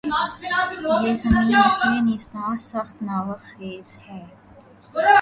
یہ زمیں مثلِ نیستاں‘ سخت ناوک خیز ہے